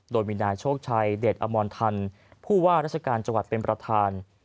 โดยมีนายโชคชัยเดชอมรทันผู้ว่าราชการจังหวัดเป็นประธาน